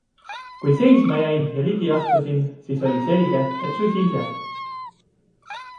Kui seisma jäin ja ligi astusin, siis oli selge, et susi ise.